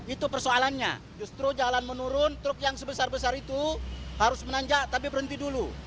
itu persoalannya justru jalan menurun truk yang sebesar besar itu harus menanjak tapi berhenti dulu